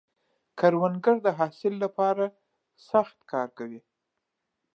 کروندګر د حاصل له پاره سخت کار کوي